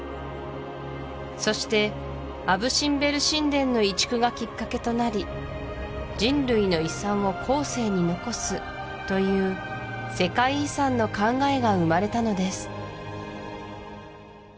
そしてアブ・シンベル神殿の移築がきっかけとなり「人類の遺産を後世に残す」という世界遺産の考えが生まれたのです